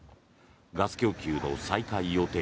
ガス供給の再開予定